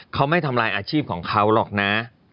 เขาไม่ทำลายอาชีพของเขาหรอกนะ